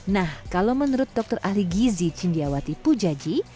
nah kalau menurut dokter ahli gizi cindiawati pujaji